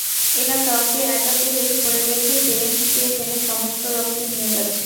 এরা কাউকে একা পেলেই ধরে বেঁধে সিরিঞ্জ দিয়ে টেনে সমস্ত রক্ত নিয়ে যাচ্ছে।